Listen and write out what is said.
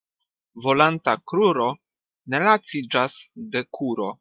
Volanta kruro ne laciĝas de kuro.